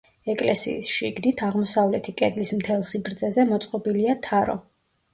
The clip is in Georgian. ეკლესიის შიგნით, აღმოსავლეთი კედლის მთელ სიგრძეზე მოწყობილია თარო.